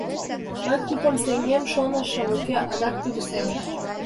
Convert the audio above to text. Мый купым сеҥем шонышым, уке, адак тудо сеҥыш.